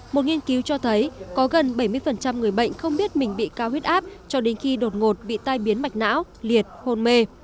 một nghiên cứu cho thấy có gần bảy mươi người bệnh không biết mình bị cao huyết áp cho đến khi đột ngột bị tai biến mạch não liệt hôn mê